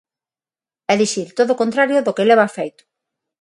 É dicir, todo o contrario do que leva feito.